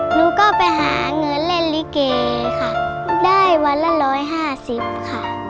หนูก็ไปหาเงินเล่นลิเกค่ะได้วันละ๑๕๐ค่ะ